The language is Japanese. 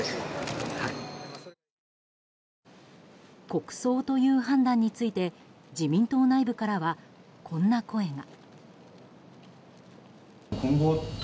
国葬という判断について自民党内部からはこんな声が。